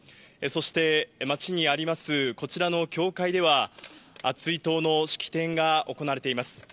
そして、町にあります、こちらの教会では、追悼の式典が行われています。